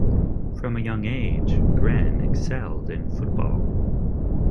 From a young age, Gren excelled in football.